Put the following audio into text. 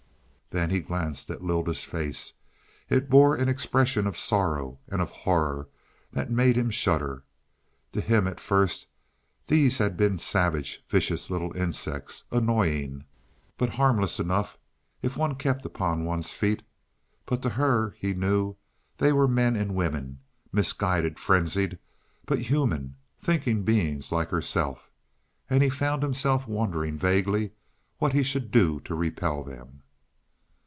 Then he glanced at Lylda's face; it bore an expression of sorrow and of horror that made him shudder. To him at first these had been savage, vicious little insects, annoying, but harmless enough if one kept upon one's feet; but to her, he knew, they were men and women misguided, frenzied but human, thinking beings like herself. And he found himself wondering, vaguely, what he should do to repel them.